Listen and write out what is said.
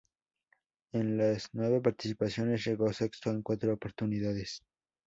En las nueve participaciones, llegó sexto en cuatro oportunidades.